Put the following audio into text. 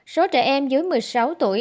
số trẻ em dưới một mươi sáu tuổi